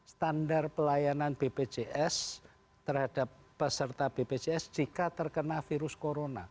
standar pelayanan bpjs terhadap peserta bpjs jika terkena virus corona